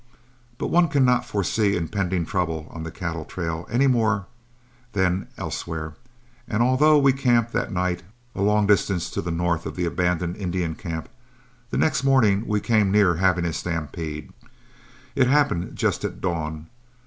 But one cannot foresee impending trouble on the cattle trail, any more than elsewhere, and although we encamped that night a long distance to the north of the abandoned Indian camp, the next morning we came near having a stampede. It happened just at dawn.